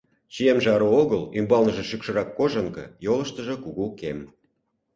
Чиемже ару огыл, ӱмбалныже шӱкшырак кожанка, йолыштыжо кугу кем.